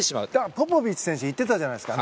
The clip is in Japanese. ポポビッチ選手言ってたじゃないですか